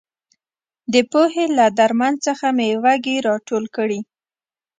د پوهې له درمن څخه مې وږي راټول کړي.